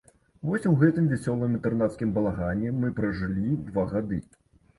Вось у гэтым вясёлым інтэрнацкім балагане мы пражылі два гады.